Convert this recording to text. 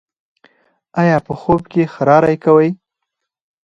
ایا په خوب کې خراری کوئ؟